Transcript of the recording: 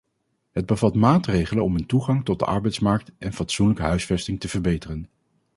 Het bevat maatregelen om hun toegang tot de arbeidsmarkt en fatsoenlijke huisvesting te verbeteren.